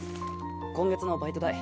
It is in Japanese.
今月のバイト代。